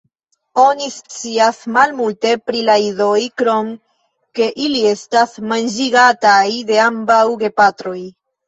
Oni scias malmulte pri la idoj, krom ke ili estas manĝigataj de ambaŭ gepatroj.